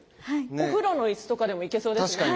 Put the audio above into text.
お風呂の椅子とかでもいけそうですよね。